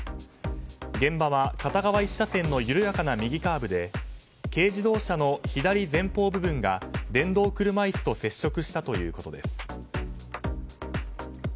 現場は片側１車線の緩やかな右カーブで軽自動車の左前方部分が電動車椅子と接触したということです。